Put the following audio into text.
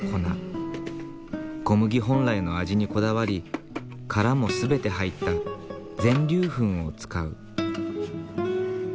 小麦本来の味にこだわり殻も全て入った全粒粉を使う。